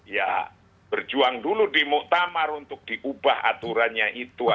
ya berjuang dulu di muktamar untuk diubah aturannya itu